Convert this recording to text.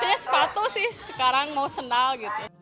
biasanya sepatu sih sekarang mau sandal gitu